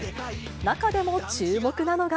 中でも注目なのが。